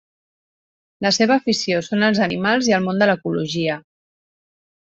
La seva afició són els animals i el món de l'ecologia.